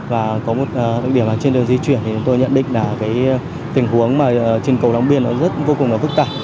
và có một lực điểm là trên đường di chuyển thì tôi nhận định là tình huống trên cầu long biên rất vô cùng phức tạp